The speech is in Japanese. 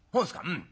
「うん。